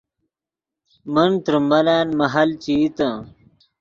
من تریم ملن مہل چے ایتے